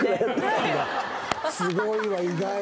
すごいな意外。